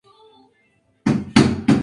El cura era Juan de Silva Gavilán.